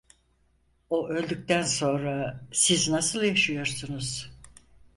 O öldükten sonra siz nasıl yaşıyorsunuz?